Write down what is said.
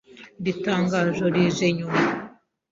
Iri tangazo rije nyuma